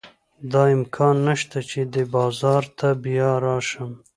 دا امکان نه شته چې دې بازار ته بیا راشم.